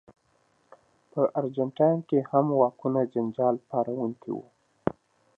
په ارجنټاین کې هم واکونه جنجال پاروونکي وو.